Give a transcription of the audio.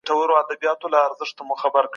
د خپل کلتور او تاریخ ساتنه اړینه ده.